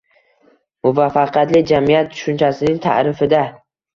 «Muvaffaqiyatli jamiyat» tushunchasining ta’rifida